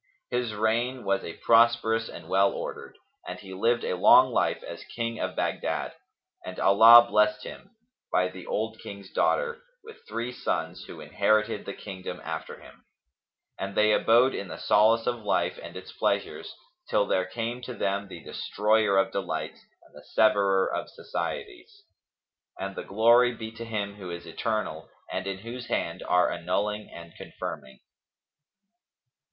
His reign was a prosperous and well ordered, and he lived a long life as King of Baghdad; and Allah blessed him, by the old King's daughter, with three sons who inherited the kingdom after him; and they abode in the solace of life and its pleasures till there came to them the Destroyer of delights and the Severer of societies. And the glory be to Him who is eternal and in whose hand are annulling and confirming.